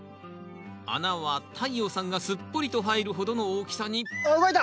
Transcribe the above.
穴は太陽さんがすっぽりと入るほどの大きさにあっ動いた！